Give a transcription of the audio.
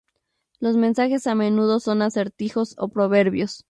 Los mensajes a menudo son acertijos o proverbios.